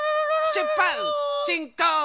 しゅっぱつしんこう！